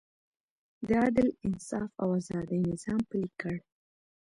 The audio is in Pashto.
د عدل، انصاف او ازادۍ نظام پلی کړ.